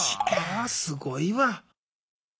すごいわ。